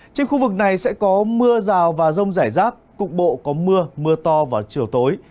trên khu vực này sẽ có mưa rào và rông rải rác cục bộ có mưa mưa to vào chiều tối